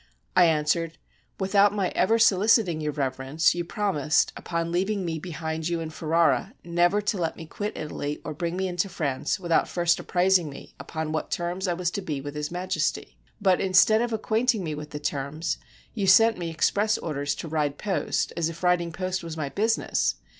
I answered, "Without my ever soHciting Your Reverence, you promised, upon leaving me behind you in Ferrara, never to let me quit Italy or bring me into France without first apprising me upon what terms I was to be with His Majesty. But instead of acquainting me with the terms, you sent me express orders to ride post, as if riding post was my busi ness.